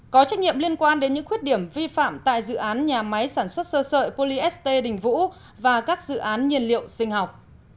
có trách nhiệm liên quan đến những khuyết điểm vi phạm tại dự án nhà máy sản xuất sơ sợi polyest đình vũ và các dự án nhiên liệu sinh học